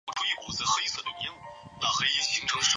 优胜队与联赛冠军都加入亚洲冠军联赛。